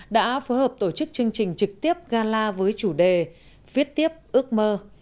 đã phối hợp tổ chức chương trình trực tiếp gala với chủ đề viết tiếp ước mơ